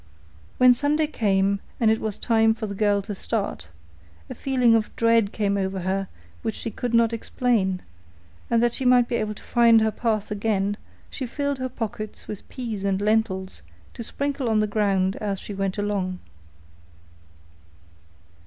When Sunday came, and it was time for the girl to start, a feeling of dread came over her which she could not explain, and that she might be able to find her path again, she filled her pockets with peas and lentils to sprinkle on the ground as she went along.